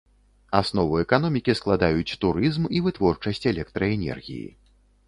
Аснову эканомікі складаюць турызм і вытворчасць электраэнергіі.